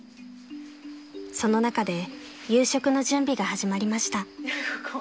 ［その中で夕食の準備が始まりました］